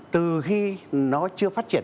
từ khi nó chưa phát triển